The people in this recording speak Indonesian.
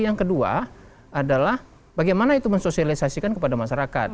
yang kedua adalah bagaimana itu mensosialisasikan kepada masyarakat